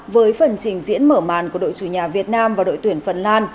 với phần trình diễn mở màn của đội chủ nhà việt nam và đội tuyển phần lan